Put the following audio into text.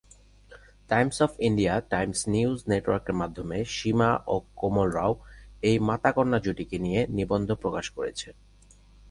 Times of India Times news নেটওয়ার্কের মাধ্যমে সীমা ও কোমল রাও, এই মাতা-কন্যা জুটিকে নিয়ে নিবন্ধ প্রকাশ করেছে।